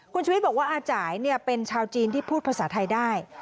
คุณชุวิตบอกว่าอาจ่ายเป็นชาวจีนที่พูดภาษาไทยได้